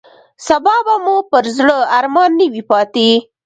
سبا به مو پر زړه ارمان نه وي پاتې.